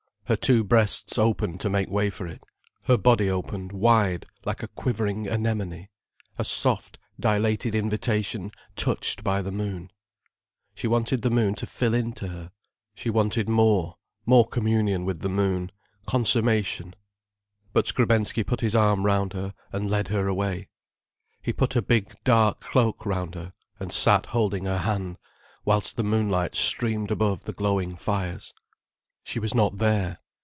Her two breasts opened to make way for it, her body opened wide like a quivering anemone, a soft, dilated invitation touched by the moon. She wanted the moon to fill in to her, she wanted more, more communion with the moon, consummation. But Skrebensky put his arm round her, and led her away. He put a big, dark cloak round her, and sat holding her hand, whilst the moonlight streamed above the glowing fires. She was not there.